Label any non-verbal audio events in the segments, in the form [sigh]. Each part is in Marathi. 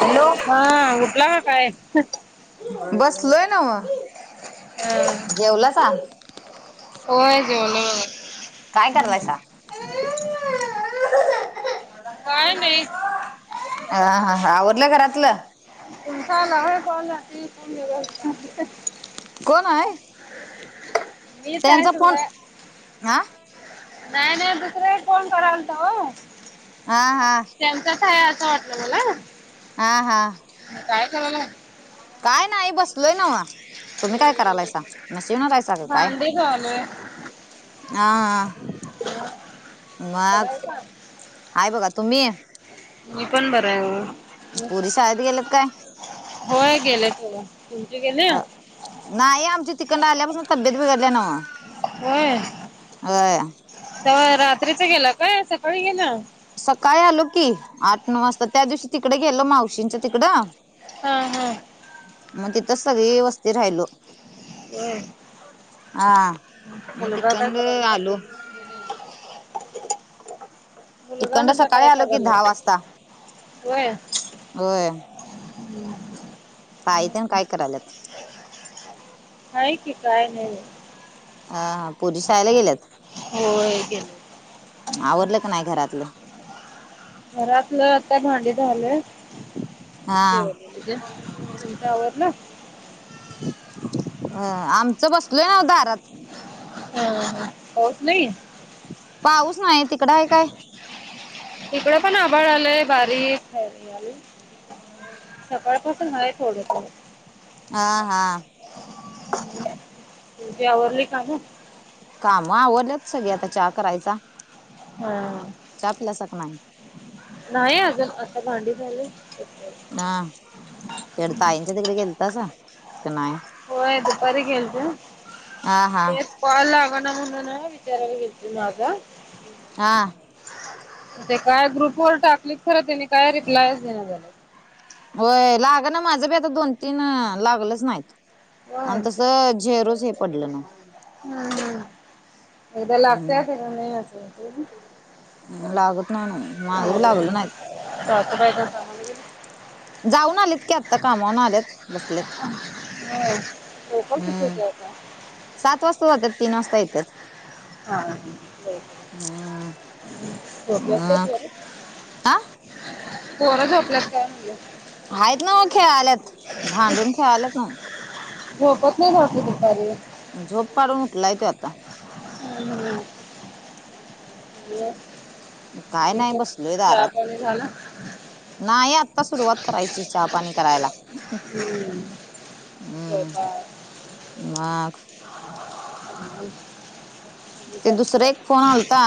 हॅलो हा उठला ह काय बस लोय नाव हम होय झोल काय कलायसा काय नाही अा हा आवरडलं घरातलं तुम ला पला त कोण आहे? म तय त्यांचा फोन तरा हा नाही नाही दुसर्या फोन करावलत हो हा हा त्यांचाचय असं वाटलं मला हा हा काय करा ना काय नाही बसलोय नाव तुम्ही काय करालायसा म शिवलायचा ग काय झाले हा बरं मघ आहे का? हाय बघा तुम्ही मी पण बरं आहे पुरी साळेत गेलेत काय होय गेले तेव तुमचे गेले नाहीय आमची तिकंड आल्यापासून तब्येत बिघडल्या ना म अ तर रात्रीच गेलं काय सकाळी गेण सकाळी आलो की आठ नऊ वाजता त्या दिवशी तिकडे गेलो मावशींचं तिकडं हा हा मग तिथंच सगळी व्यवस्थ राहिलो होय हा म मुलगा चिकन काय करायलाय? आलू [unintelligible] मुलगा तिकंड म्हटलं सकाळी काय आलो की करायलय दहा वाजता. होया होय ह् तय ते काय करालत हय क काय नाही हा हा पुरी शाहायला गेल्यात हो ग आवडलं का नाही घरातलं घरातलं आता भांडी झालंय हा जेवणजे तुमच्यावर ना अ आमचं बसलोय नव्हता हारात हा ह होच नाही पाऊस नाही तिकड आहे काय इकड पण आभाड आलंय बारीक हो सकाळपासून आहे थोड हा हा तजर्ली काम काम आवडलंत सगळी आता चहा करायचा हा चचा पल्यासख नाही नाही अजून आता भांडी झालं हा तेड ताईंच्या तिकडे गेलतस नाही होयो परी घच हा हा बस पाॉवाल आग ना मुण न विचार व ग माझ हा ते काय ग्रुपवर टाकलीत खर त्यानी काय रिप्लाय दे झाले होय लाग ना माझं बी आता दोन तीन लागलंच नाहीत होय आणि तसं झेरोस हे पडलं ना हम्म हम्म एकदा लागतय फर नाही अस लागतनान हो कात बाय त जाऊन आलेत की आत्ता कामाून आलेत बसल्यात हो पण हम्म कतीचता सात वाजता जातात तीन वाजता येतात हा हक हम्म क आ पोर झोपल्यास काय म्हलं आहेत ना मग खेळाल्यात भांडून खेळाल्यात ना मोफत नाही भाली त र जॉब कार्ड उठलाय त आता हम् काय नाही बसलोय चहा दारात पाणी झाला? नाही आत्ता सुरुवात करायची चहापाणी करायला स्वयंपाक. हम्म बा ह ते दुसरा एक फोन आलता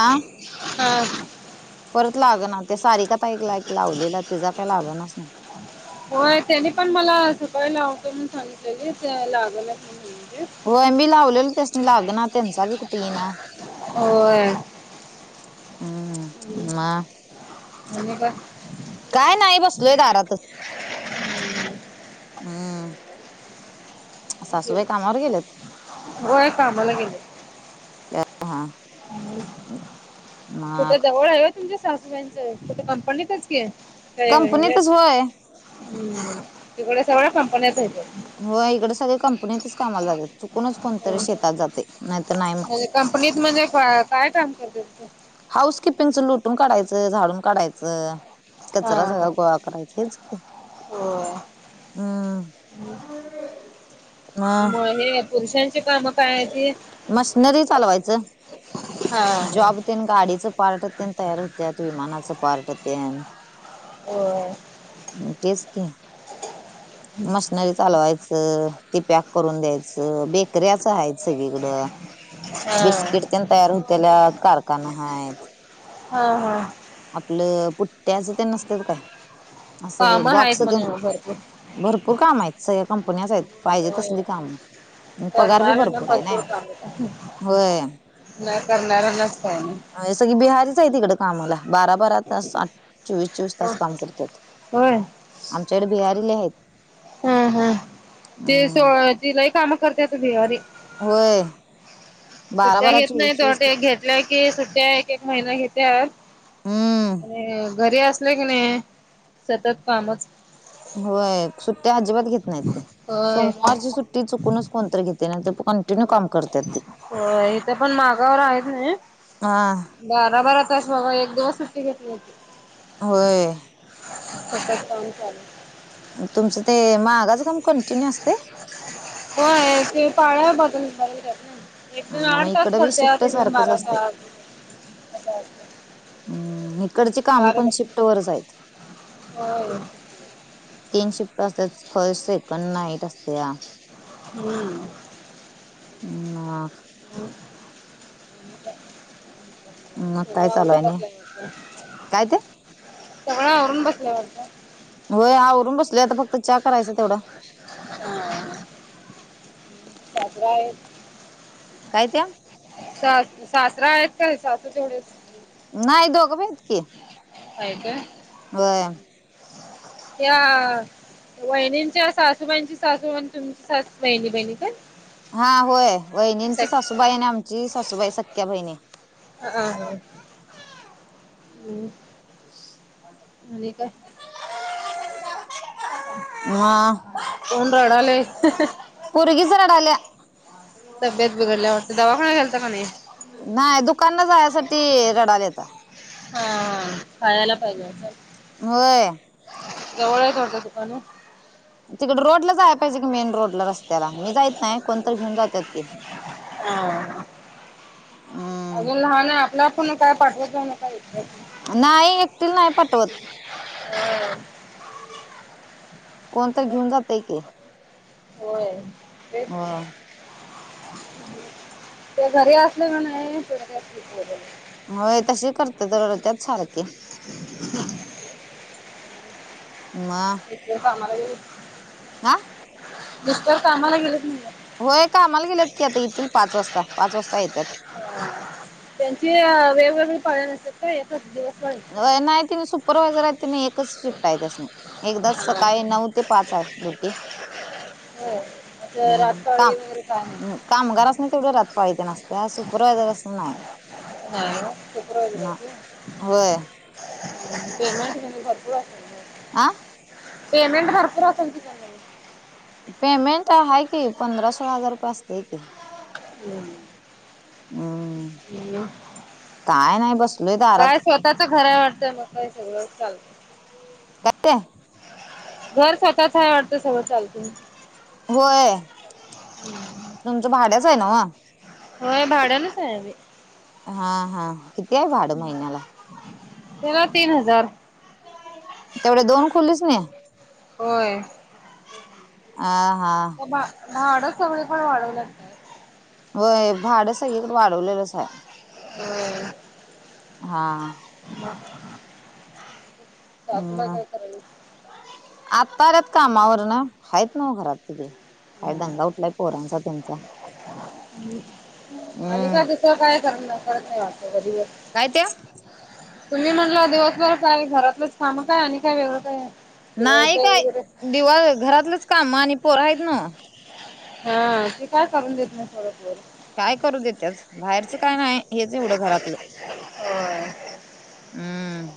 हा परत लाग ना ते सारीक आताा एक ला एकक लावलेला तचा काय लागणारच नाही हो त्यानी पण मला सबाई लाव करून सांगितलेली लाग हो मी लावलेल तसनी लाग ना त्यांचा बी कुठेही ना हो हम्म मा म्हन का काय नाही बसलोय दारातच हम् होय कामाला गेले हा कुठं मग जवळ आहे तुमच्या सासूबाईंच कुठं कंपनीतच कय म्हज कंपनीतच होय. हम् तिकडे सगळ्या कंपन्याच आहेेत हो इकडे सगळ्या कंपनीतच कामाला जातात चुकूनच कोणतरी शेतात जाते नाहीत नाही मग म्हणजे कंपनीत म्हणजे काय काम करते तं हाऊस किपिंगचं लुटून काढायचं झाडून काढायचं हा कचरा सगळा हा गोळा करायचा हेच क हो. हम् मग हे पुरुषांची कामं काय आहे त मशनरी चालवायचं हा हा जॉब गाडीचं पार्ट तयार होत्या विमानाचं पार्ट ते हो तेच क मशनरी चालवायचं ती पॅक करून द्यायचं बेकऱ्याच आहेय सगळीकडं हा बिस्किट त्या तयार होतेल्या कारखाना आहेत हा हा आपलं पुट्ट्याच ते नसतात का असं कामं आहेत बॉक्स ते म्हणे मग भरपूर भरपूर काम आहेत सगळ्या कंपन्याच आहेत पाहिजे होय. तसली काम पगार बी करणाऱ्यांना भरपूर आहे ना कामं होय नाही करणार नसत ना सगळी बिहारीच आहे तिकडे कामाला बारा बारा तास आठ चोवीस चोवीस तास काम करते हो आमच्याकडे बियाारीले आहेत हा हा तेी सो हम्म तिलाही काम करते त भिवारी होय बारा सध्या बारा घेत चोवीस नाही चोवीस तोट घेतल्या की सध्या एक एक महिना घेत्या हम्म आणि घरी असले की नाही सतत कामच होय सुट्टी अजिबात घेत नाही ते होय सोमवारची सुट्टी चुक कोण घेते कंटिन्यू करतात ते हो इथं पण मागावर आहेत ना हा बरा बर तस बाबा एक दिवसच घेतली होती होय फतत काम चालू तुमचं ते मागच काम कंटिन्यू असते होय ते पाळ बदलत ना एकदण मग आठ तास इकडं बी करते आ एकदण बारा तास असं असतंय हम्म तकडचे काम चार कोण शिफ्ट वर जाय होय तीन शिफ्ट असते फर्ट सेकंड नाईट असते हम्म ह् ह काय चालू ह आहे नाही काय ते उकला सगळ आवरून बसलोय बघा होयवरून बसले प हा सातरा आहे काय त्या स सासरा आहेत का सासरा थवढ नाही दोघ पण काय काय होय या वहिणींच्या सासूबाईंची सासूबाई तुमची बहिणी बहिणी तर हा होय बहिणींची सासूबाई आणि आमची सासूबाई सक्या बहिणी ह हा हा आणि काय ह कोण रडालय? पुरगीच रडल्या तब्येत बिघडल्या वाटते दवा कोणा घ्यालता का नाही नाही दुकानना जाण्यासाठी रडाले आता हा ह पाळला पहि होय [unintelligible] तिकड रोड ला जायला पाहिजे की मेन रोडला रस्त्याला मी जायत नाही कोणत घेन जातात की ह हम्म अजून लहान आहे आपल्या पण काय पाठवायचं नाही का नाही एकतील नाही पटवत कोण तर घेऊन जातय की होय तेच होय त्या घरी असल्या ना नाही त होय तसे करते तर त्याच सारखे [unintelligible] [inaudible] आ [inaudible] होय का आम्हाला गेल्यात की आता येथील पाच वाजता पाच वाजता येतात त्यांचे वेगवेगळे पाळी वस्त्यांत होय एकच दिवस पाळी? होय नाही त्यांनी सुपरवा्हायझर आहे तिने एकच शिफ्ट आहे त्यासनी एकदास सकाळी नऊ ते पाच आहे ड्युटी, हो आता हम्म काम रातपाळी वगैरे काय नाही हम्म कामगारांसनी तेवढ रात्रपाळी तेच आसतीया सुपरवा्हायझरासनी नाही, हा शुक्रवारी ना जातोय होय पेमेंट म्हणजे भरपूर असतंय तेनासनी आं पेमेंट भरपूर आसलं कि तूझा पेमेंट आहे कि पंधरा सोळा हजार रुपये असतंय येतंय होय हम्म काय नाही बसलोय काय दारात स्वतःच घर आहे वाटतं मग काय सगळंच चालतं काय ते घर स्वतःच आहे वाटतं सगळं चालत होय [unintelligible] तुमचं भाड्याच आहे नव्हं? होय भाड्यानचं आहे आम्ही हा हा किती आहे भाडं महिन्याला? तेला तीन हजार तेवढ्या दोन खोलीसनी? होय आ हा मग मग भाडंच तेवढी कर वाढवल्यात होय भांडं सगळीकडे वाढवलेलंच आहे, होय हा मग सासूबाई हम् काय कराल्यात? आत्ता आल्यात कामावरन हाईत न्हंवं घरात तिकडे काय दंगा उठलाय पोरांचा त्यांचा हम्म आता काय करणार करत नाही वाटत कधी काय ते तुम्ही म्हणलं दिवसभर काय घरातलंच काम काय आणि काय वेगळं काय आहे? नाही काय दिवाळी घरातलंच काम आणि पोर आहित नव्हं हा ते काय करून देत नाही सोडा पोरं काय करू देत्यात बाहेरच काय नाही हेच एवढं घरातलं होय. हम्म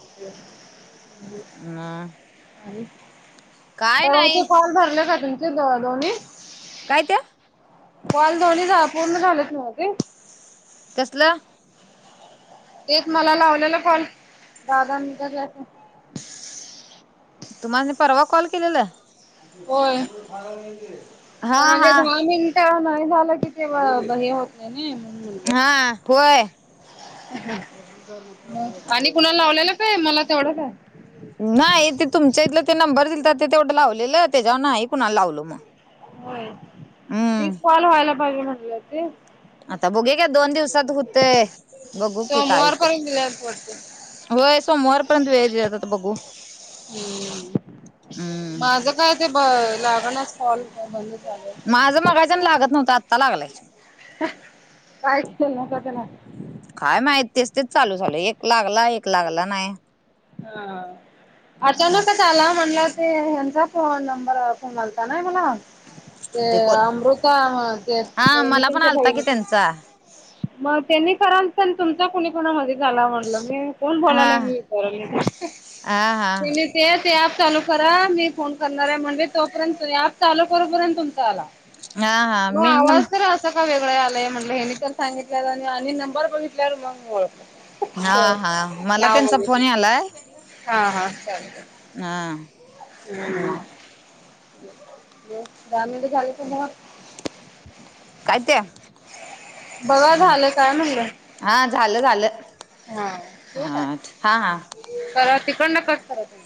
म आणि काय परम चं नाही सालं भरलंय का तुमचे दोन्ही काय ते काॅल दोन्ही झा पूर्ण झालेत ना ती? कसलं तेच मला लावलेला कॉल दाह दाह मिटचाचं तुम्हाला परवा कॉल केलेलं होय. हा म्हणजे हा दहा मिनिटं नाही झालं कि ते हे होत नाही ना म्हणून म्हटलं, हा होय आणि [unintelligible] कुणाला लावलेलं बाई मला तेवढं आहे, [unintelligible] नाही ते तुमच्या इथलं ते नंबर दिलता ते तेवढं लावलेलं त्याच्यावर नाही कुणाला लावल मग होय हम्म तीस कॉल व्हायला पाजे म्हटलं ते, आता बघ का दोन दिवसात होते बघू की काय होते सोमवारपर्यंत दिले आहेत वाटतं. होय सोमवारपर्यंत व्याजातता बघू हम्म माझं काय ते ब लागणारॉल म्ह माझं मगायच्यान लागत नव्हतं आत्ता लागलाय काय ना सगला काय माहितस तेच चालू झाल एक लागला एक लागला नाही हा हा अचानकच आला म्हणला ते ह्यांचा फो नंबर फोनलता ना मला ते अमृता हा ते मला पण नितनच्या आलता की भाईने त्यांचा मग त्यांनी खर तुमचा कुणी कुणा मध्ये झाला म्हटलं मी कोण हा बोलालाय मी त हा हा ते ते ऍप चालू करा मी फोन करणार आहे म्हणज तोपर्यंत ऍप चालू करोपर्यंत तुमचा आला हा हा मग मी न आवाज तर अस क काय वेगळं आलंय म्हटलं हेनी तर सांगितल्या आणि नंबर बघितल्यावर मग ओळखलं हा होय हा मला नाव त्यांचा फोन बघितलं आलाय हा हाचा हां हम् जाामी झालं प म कायत बघा हम् झालं काय म्हणलं हा झालं झालं हा हा हां हां तर तिकड न कस कराय त